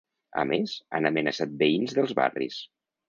A més, han amenaçat veïns dels barris.